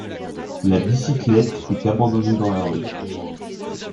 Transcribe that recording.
La bicyclette est abandonnée dans la rue